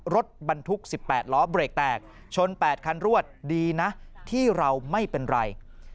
รถบรรทุก๑๘ล้อเบรกแตกชน๘คันรวดดีนะที่เราไม่เป็นไร